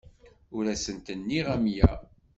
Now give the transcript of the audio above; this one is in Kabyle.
Ur asent-nniɣ amya.